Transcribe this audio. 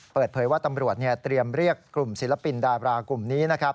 เปิดเผยว่าตำรวจเตรียมเรียกกลุ่มศิลปินดาบรากลุ่มนี้นะครับ